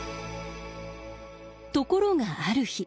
ところがある日。